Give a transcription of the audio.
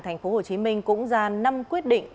tp hcm cũng ra năm quyết định